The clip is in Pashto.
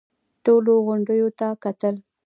ټولو غونډيو ته کتل.